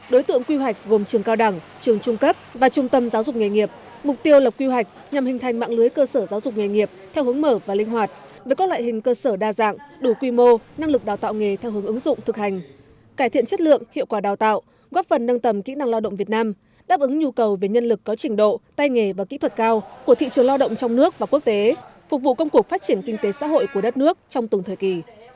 đối tượng quy hoạch gồm trường cao đẳng trường trung cấp và trung tâm giáo dục nghề nghiệp mục tiêu lập quy hoạch nhằm hình thành mạng lưới cơ sở giáo dục nghề nghiệp theo hướng mở và linh hoạt với các loại hình cơ sở đa dạng đủ quy mô năng lực đào tạo nghề theo hướng ứng dụng thực hành cải thiện chất lượng hiệu quả đào tạo góp phần nâng tầm kỹ năng lao động việt nam đáp ứng nhu cầu về nhân lực có trình độ tay nghề và kỹ thuật cao của thị trường lao động trong nước và quốc tế phục vụ công cuộc phát tri